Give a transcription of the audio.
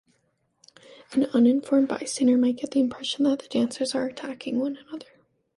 An uninformed bystander might get the impression that the dancers are attacking one another.